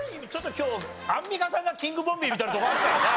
今日アンミカさんがキングボンビーみたいなとこあるからね。